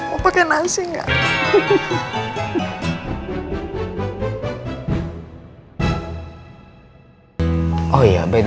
mau pake nasi gak